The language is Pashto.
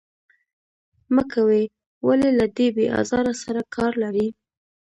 مه کوئ، ولې له دې بې آزار سره کار لرئ.